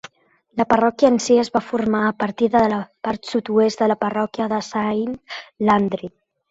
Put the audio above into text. La parròquia en si es va formar a partir de la part sud-oest de la parròquia de Saint Landry.